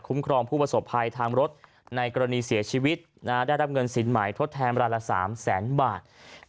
ครองผู้ประสบภัยทางรถในกรณีเสียชีวิตได้รับเงินสินใหม่ทดแทนรายละ๓แสนบาท